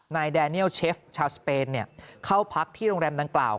แดเนียลเชฟชาวสเปนเข้าพักที่โรงแรมดังกล่าว